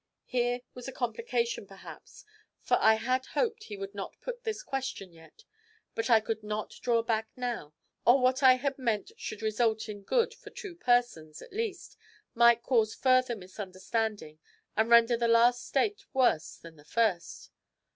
Here was a complication, perhaps, for I had hoped he would not put this question yet, but I could not draw back now, or what I had meant should result in good to two persons, at least, might cause further misunderstanding and render the last state worse than the first.